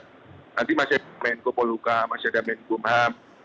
nanti masih ada menko poluka masih ada menko umham